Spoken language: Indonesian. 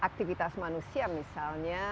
aktivitas manusia misalnya